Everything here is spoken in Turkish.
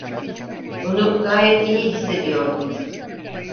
Bunu gayet iyi hissediyordum.